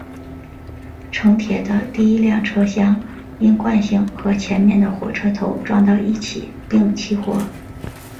城铁的第一辆车厢因惯性和前面的火车头撞到一起并起火。